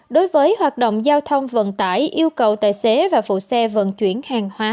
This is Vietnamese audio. đối với hoạt động giao thông vận tải yêu cầu tài xế và phụ xe vận chuyển hàng hóa